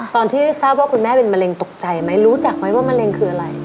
ตอนที่ทราบว่าคุณแม่เป็นมะเร็งตกใจไหมรู้จักไหมว่ามะเร็งคืออะไร